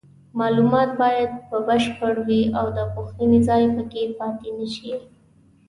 معلومات باید بشپړ وي او د پوښتنې ځای پکې پاتې نشي.